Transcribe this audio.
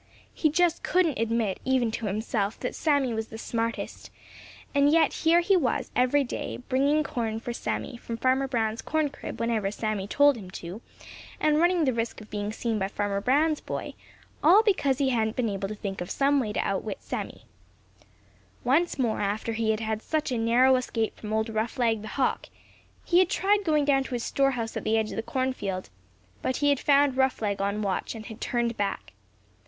He just couldn't admit even to himself that Sammy was the smartest, and yet here he was every day bringing corn for Sammy from Farmer Brown's corn crib whenever Sammy told him to, and running the risk of being seen by Farmer Brown's boy, all because he hadn't been able to think of some way to outwit Sammy. Once more after he had such a narrow escape from old Roughleg the Hawk, he had tried going down to his store house at the edge of the cornfield, but he had found Roughleg on watch and had turned back.